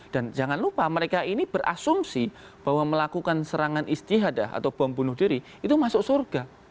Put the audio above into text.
jangan lupa mereka ini berasumsi bahwa melakukan serangan istihadah atau bom bunuh diri itu masuk surga